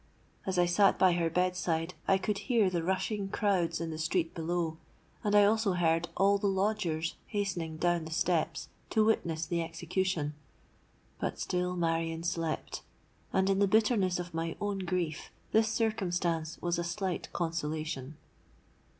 As I sate by her bed side, I could hear the rushing crowds in the street below; and I also heard all the lodgers hastening down the stairs to witness the execution! But still Marion slept; and, in the bitterness of my own grief, this circumstance was a slight consolation.